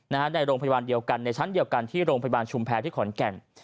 ในโรงพยาบาลเดียวกันในชั้นเดียวกันที่โรงพยาบาลชุมแพรที่ขอนแก่น